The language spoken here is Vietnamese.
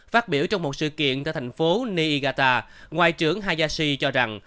phát biểu trong một sự kiện tại thành phố niigata ngoại trưởng hayashi cho rằng